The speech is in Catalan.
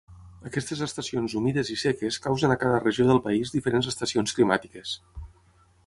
Aquestes estacions humides i seques causen a cada regió del país diferents estacions climàtiques.